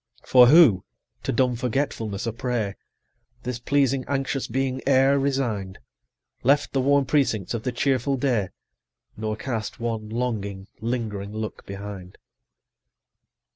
For who, to dumb forgetfulness a prey, 85 This pleasing anxious being e'er resign'd, Left the warm precincts of the cheerful day, Nor cast one longing lingering look behind?